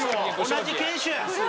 同じ犬種や！